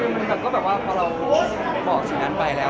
ซึ่งมันก็แบบว่าพอเราบอกสิ่งนั้นไปแล้ว